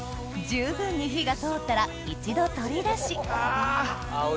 十分に火が通ったら一度取り出しあ！